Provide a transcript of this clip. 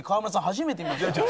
初めて見ました。